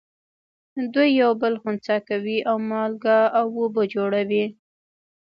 دوی یو بل خنثی کوي او مالګه او اوبه جوړوي.